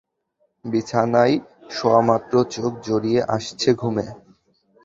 বিছানায় শোয়ামাত্র চোখ জড়িয়ে আসছে ঘুমে।